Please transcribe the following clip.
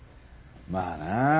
まあな。